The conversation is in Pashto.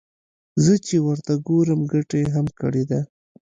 زه چې ورته ګورم ګټه يې هم کړې ده.